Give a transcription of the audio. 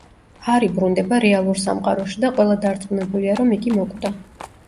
ჰარი ბრუნდება რეალურ სამყაროში და ყველა დარწმუნებულია, რომ იგი მოკვდა.